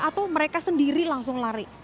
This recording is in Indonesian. atau mereka sendiri langsung lari